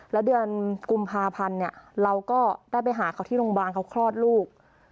แล้วเดือนกุมภาพันธ์เนี่ยเราก็ได้ไปหาเขาที่โรงพยาบาลเขาคลอดลูก